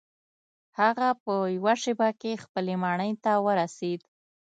هغه په یوه شیبه کې خپلې ماڼۍ ته ورسید.